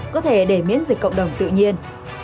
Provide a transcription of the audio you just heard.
có thể để miễn dịch cộng đồng tự nhiên